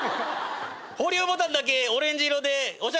「保留ボタンだけオレンジ色でおしゃれでしょ」